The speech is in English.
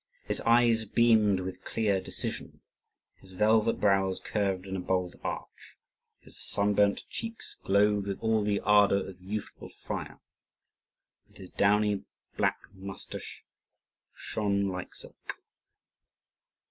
His eyes beamed with clear decision; his velvet brows curved in a bold arch; his sunburnt cheeks glowed with all the ardour of youthful fire; and his downy black moustache shone like silk.